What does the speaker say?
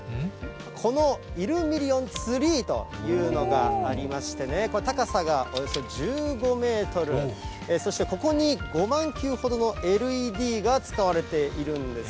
このイルミリオン・ツリーというのがありましてね、高さがおよそ１５メートル、そしてここに５万球ほどのＬＥＤが使われているんです。